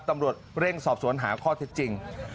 ตำรวจเร่งสอบสวนหาข้อเท็จจริง